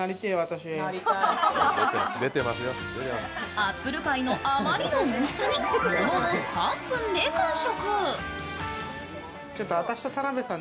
アップルパイのあまりのおいしさにものの３分で完食。